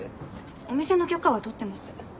お店の許可は取ってます。